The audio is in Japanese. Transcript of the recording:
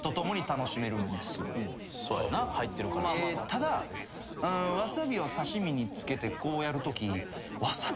ただわさびを刺し身につけてこうやるとき。